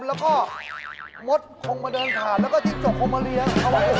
แล้วก็มดคงมาเดินขาดแล้วก็จิ๊กจกคงมาเลี้ยง